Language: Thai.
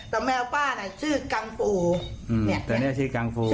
แต่แมวป้าคือกังฟู